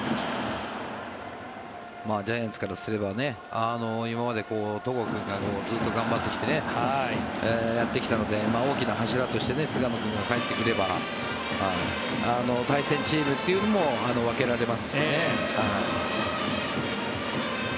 ジャイアンツからすれば今まで戸郷君がずっと頑張ってきてやってきたので大きな柱として菅野君が帰ってくれば対戦チームというのも分けられますしね。